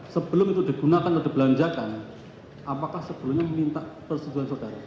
sebelum itu digunakan atau dibelanjakan apakah sebelumnya minta persetujuan saudara